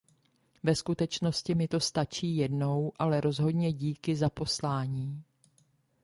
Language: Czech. Ve skutečnosti mi to stačí jednou, ale rozhodně díky za poslání.